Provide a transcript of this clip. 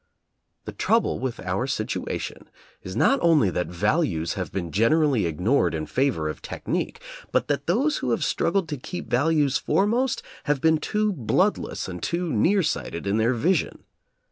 The trouble with our situation is not only that values have been generally ignored in favor of technique, but that those who have struggled to keep values foremost, have been too bloodless and too near sighted in their vision.